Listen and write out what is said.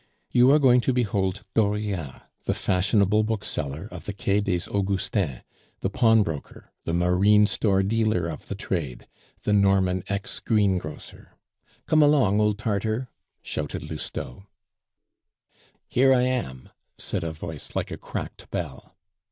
You are going to behold Dauriat, the fashionable bookseller of the Quai des Augustins, the pawnbroker, the marine store dealer of the trade, the Norman ex greengrocer. Come along, old Tartar!" shouted Lousteau. "Here am I," said a voice like a cracked bell.